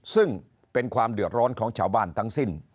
ซึ่งเป็นความเดือดร้อนของชาวบ้านทั้งสิ้น